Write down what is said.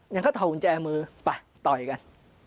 งั้นก็ถอดกุญแจมือไปต่อยกัน